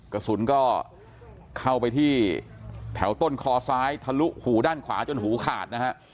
กระสุนก็เข้าไปที่แถวต้นคอซ้ายทะลุหูด้านขวาจนหูขาดนะฮะ